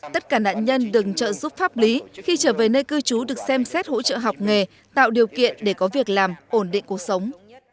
tất cả nạn nhân đừng trợ giúp pháp lý khi trở về nơi cư trú được xem xét hỗ trợ học nghề tạo điều kiện để có việc làm ổn định cuộc sống